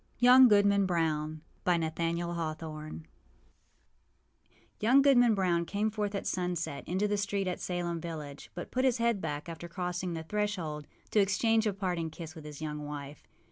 YOUNG GOODMAN BROWN Young Goodman Brown came forth at sunset into the street at Salem village; but put his head back, after crossing the threshold, to exchange a parting kiss with his young wife.